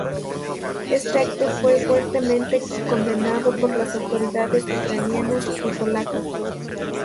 Este acto fue fuertemente condenado por las autoridades ucranianas y polacas.